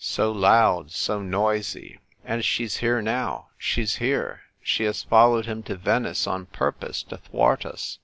So loud, so noisy ! And she's here now, she's here ; she has fol lowed him to Venice on purpose to thwart us.